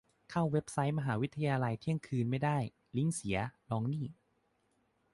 เข้าเว็บไซต์มหาวิทยาลัยเที่ยงคืนไม่ได้ ? ลิงก์เสีย ? ลองนี่